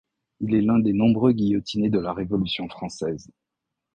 Il est l'un des nombreux guillotinés de la Révolution française.